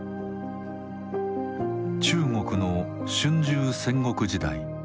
中国の春秋・戦国時代。